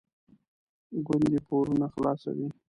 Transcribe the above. ګوندې پورونه خلاصوي.